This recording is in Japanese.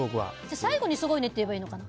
最後にすごいねって言えばいいのかな